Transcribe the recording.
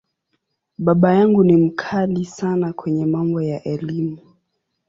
Baba yangu ni ‘mkali’ sana kwenye mambo ya Elimu.